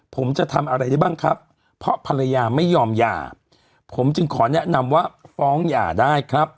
ผมจะทำอะไรได้บ้างครับเพราะภรรยาไม่ยอมหย่าผมจึงขอแนะนำว่าฟ้องหย่าได้ครับ